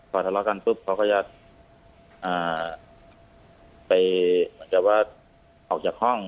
พอทะเลาะกันปุ๊บเขาก็จะไปเหมือนกับว่าออกจากห้อง